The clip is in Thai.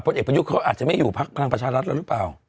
เอกประยุทธ์เขาอาจจะไม่อยู่พักพลังประชารัฐแล้วหรือเปล่า